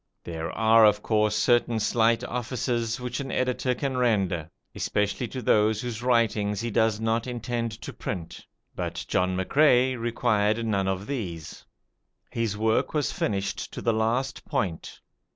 There are of course certain slight offices which an editor can render, especially to those whose writings he does not intend to print, but John McCrae required none of these. His work was finished to the last point.